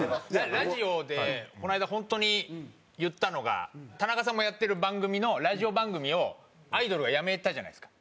ラジオでこの間本当に言ったのが田中さんもやってる番組のラジオ番組をアイドルがやめたじゃないですか。